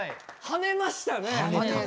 はねました。